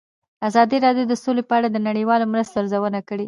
ازادي راډیو د سوله په اړه د نړیوالو مرستو ارزونه کړې.